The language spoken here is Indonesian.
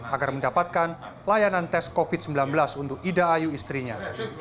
agar mendapatkan layanan tes covid sembilan belas untuk ida ayu istrinya